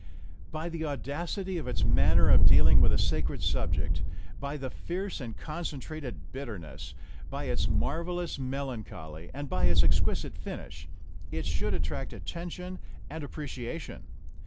By the audacity of its manner of dealing with a sacred subject, by its fierce and concentrated bitterness, by its marvellous melancholy, and by its exquisite finish, it should attract attention and ap preciation.